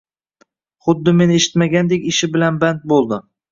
Xuddi meni eshitmagandek ishi bilan band boʻldi